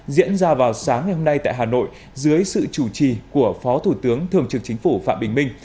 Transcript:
diễn ra vào sáng ngày hôm nay tại hà nội dưới sự chủ trì của phó thủ tướng thường trực chính phủ phạm bình minh